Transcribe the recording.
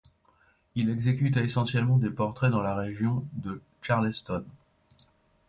Il exécuta essentiellement des portraits dans la région de Charleston.